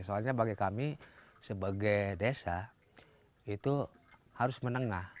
soalnya bagi kami sebagai desa itu harus menengah